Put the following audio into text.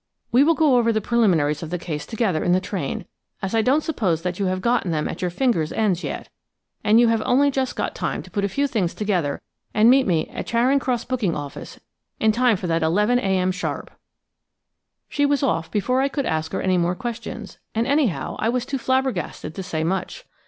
We will go over the preliminaries of the case together in the train, as I don't suppose that you have got them at your fingers' ends yet, and you have only just got time to put a few things together and meet me at Charing Cross booking office in time for that 11.0 sharp." She was off before I could ask her any more questions, and anyhow I was too flabbergasted to say much.